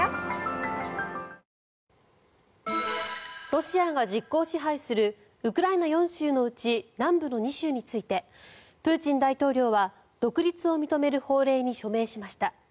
ロシアが実効支配するウクライナ４州のうち南部の２州についてプーチン大統領は独立を認める法令に署名しました。